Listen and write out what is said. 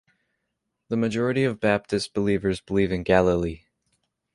The majority of Baptist believers live in Galilee.